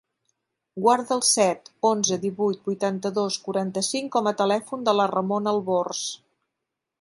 Guarda el set, onze, divuit, vuitanta-dos, quaranta-cinc com a telèfon de la Ramona Albors.